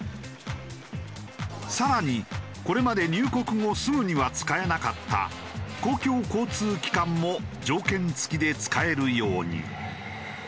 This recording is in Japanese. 更にこれまで入国後すぐには使えなかった公共交通機関も条件付きで使えるように。